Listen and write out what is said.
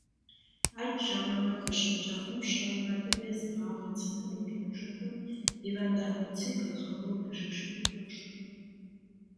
Այդ ժամանակաշրջանում շարունակել է զբաղեցնել հոգեբուժական հիվանդանոցի գլխավոր բժշկի պաշտոնը։